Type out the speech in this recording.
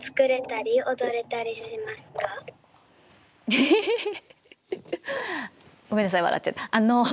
エヘヘヘごめんなさい笑っちゃった。